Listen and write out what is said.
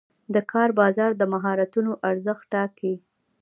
د کار بازار د مهارتونو ارزښت ټاکي.